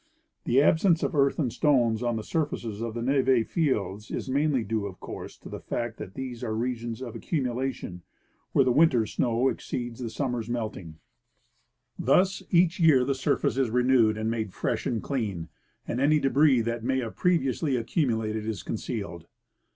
The absence of earth and stones on the surfaces of the neve fields is mainly due, of course, to the fact that these are regions of accu mulation where the winter's snow exceeds the summer's melting. 146 I. C. Russell — Expedition to Mount St. Ellas. Thus each year the surface is renewed and made fresh and clean, and any debris that may have previously accumulated is con cealed.